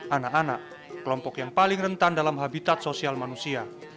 anak anak kelompok yang paling rentan dalam habitat sosial manusia